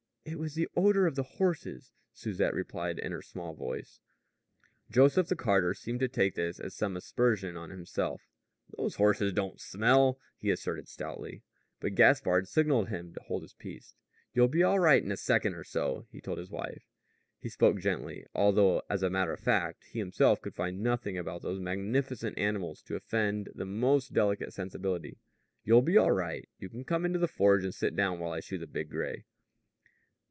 "It was the odor of the horses," Susette replied in her small voice. Joseph the carter seemed to take this as some aspersion on himself. "Those horses don't smell," he asserted stoutly. But Gaspard signaled him to hold his place. "You'll be all right in a second or so," he told his wife. He spoke gently; although, as a matter of fact, he himself could find nothing about those magnificent animals to offend the most delicate sensibility. "You'll be all right. You can come into the forge and sit down while I shoe the big gray."